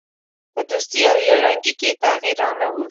په دوستي او یو رنګي کې یې تغییر را نه ووست.